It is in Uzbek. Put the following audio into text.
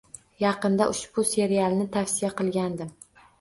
Yaqinda ushbu serialni tavsiya qilgandim.